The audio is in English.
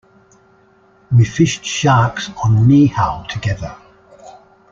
We fished sharks on Niihau together.